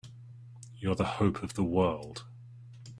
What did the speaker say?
You're the hope of the world!